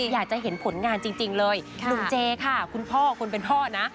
อยากจะเห็นผลงานจริงเลยหนุ่มเจค่ะคุณพ่อคนเป็นพ่อนะ